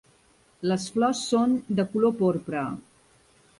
Les flors són de color porpra.